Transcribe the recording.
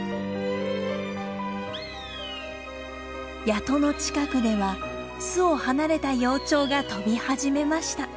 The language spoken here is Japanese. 谷戸の近くでは巣を離れた幼鳥が飛び始めました。